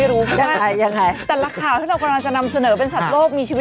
เรียนรู้ชีวิตสัตว์โลกอย่างไรก็ไม่รู้